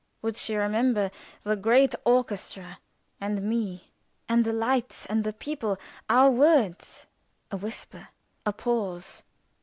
Would she remember the great orchestra and me, and the lights, and the people our words a whisper? A pause.